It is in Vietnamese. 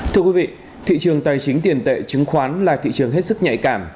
thưa quý vị thị trường tài chính tiền tệ chứng khoán là thị trường hết sức nhạy cảm